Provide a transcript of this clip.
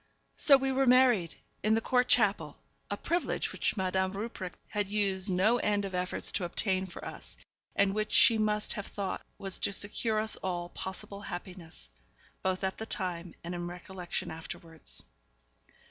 So we were married, in the Court chapel, a privilege which Madame Rupprecht had used no end of efforts to obtain for us, and which she must have thought was to secure us all possible happiness, both at the time and in recollection afterwards.